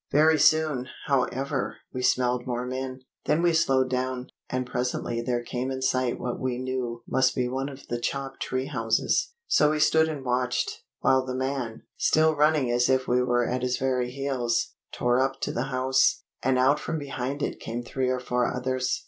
Very soon, however, we smelled more men. Then we slowed down, and presently there came in sight what we knew must be one of the chopped tree houses. So we stood and watched, while the man, still running as if we were at his very heels, tore up to the house, and out from behind it came three or four others.